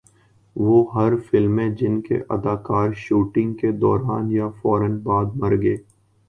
وہ ہارر فلمیں جن کے اداکار شوٹنگ کے دوران یا فورا بعد مر گئے